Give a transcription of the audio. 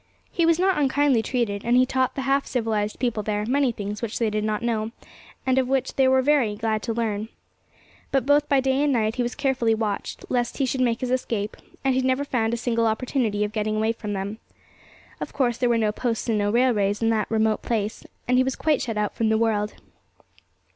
He was not unkindly treated, and he taught the half civilized people there many things which they did not know, and which they were very glad to learn. But both by day and night he was carefully watched, lest he should make his escape, and he never found a single opportunity of getting away from them. Of course, there were no posts and no railways in that remote place, and he was quite shut out from the world.